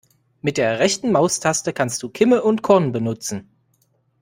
Mit der rechten Maustaste kannst du Kimme und Korn benutzen.